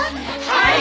はい！